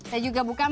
saya juga bukan